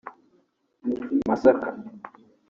Masaka